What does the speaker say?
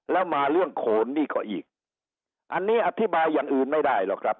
แล้วมาเรื่องโขนนี่ก็อีกอันนี้อธิบายอย่างอื่นไม่ได้หรอกครับ